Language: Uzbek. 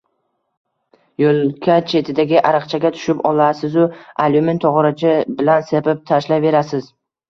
Yo‘lka chetidagi ariqchaga tushib olasizu alyumin tog‘oracha bilan sepib tashlayverasiz.